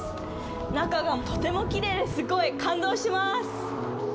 中がとてもきれいですごい感動します。